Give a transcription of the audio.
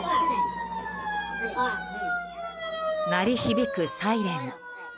鳴り響くサイレン。